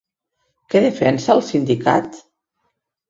Què defensa el sindicat?